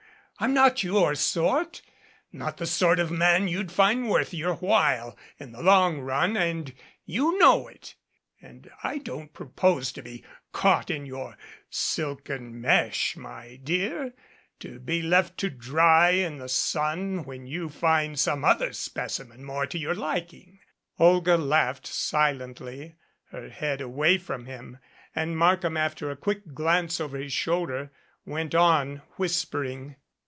I'm not your sort not the sort of man you'd find worth your while in the long run, and you know it. And I don't propose to be caught in your silken mesh, my dear, to be left to dry in the sun when you find some other specimen more to your liking." Olga laughed silently, her head away from him, and Markham, after a quick glance over his shoulder, went on whispering.